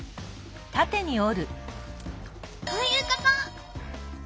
こういうこと！